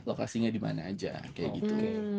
lokasinya dimana aja kayak gitu